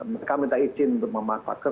mereka minta izin untuk memanfaatkan